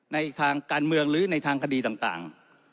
ในทางการเมืองหรือในทางคดีต่าง